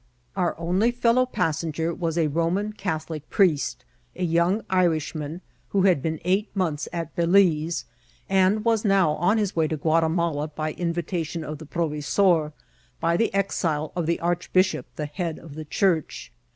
Our only fellow passenger was a Bomcui Catholic priest, a young Irishman, who had been eight months at Balize, and was now on his way to Guatimala by in Titation of the provesor, by the exile of the archbishop the head of the church.